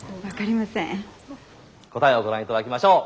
答えをご覧頂きましょう。